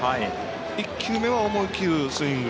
１球目は思い切るスイング。